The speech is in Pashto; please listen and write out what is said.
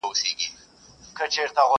ناروغان یې ماشومان او بوډاګان کړل؛